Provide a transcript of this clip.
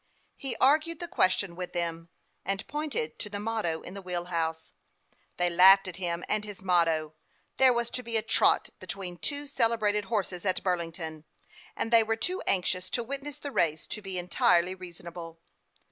He argued the question with them, and pointed to the motto in the wheel house. They laughed at him THE YOUNG PILOT OF LAKE CHAMPLAIN. 311 and his motto. There was to be a "trot" between two celebrated horses, at Burlington, and they were too anxious to witness the race to be entirely rea sonable.